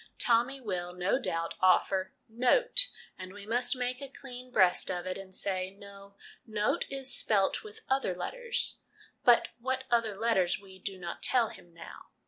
Tommy will, no doubt, offer ' note/ and we must make a clean breast of it and say, c No, note is spelt with other letters '; but what other letters we do not tell him now.